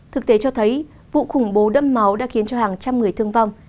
thực tế cho thấy vụ khủng bố đẫm máu đã khiến cho hàng trăm người thương vong